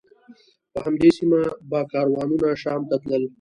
په همدې سیمه به کاروانونه شام ته تلل.